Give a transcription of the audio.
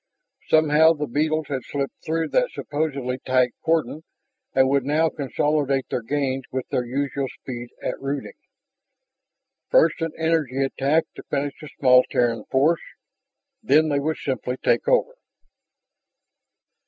Somehow the beetles had slipped through that supposedly tight cordon and would now consolidate their gains with their usual speed at rooting. First an energy attack to finish the small Terran force; then they would simply take over.